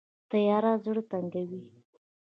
تیاره زړه تنګوي